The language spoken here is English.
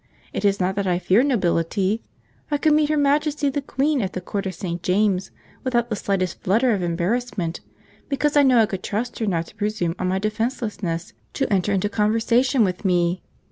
It is not that I fear nobility. I could meet Her Majesty the Queen at the Court of St. James without the slightest flutter of embarrassment, because I know I could trust her not to presume on my defencelessness to enter into conversation with me.